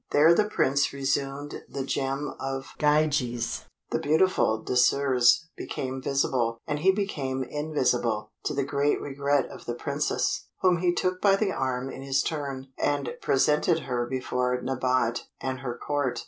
There the Prince resumed the gem of Gyges. The beautiful Désirs became visible, and he became invisible, to the great regret of the Princess, whom he took by the arm in his turn, and presented her before Nabote and her Court.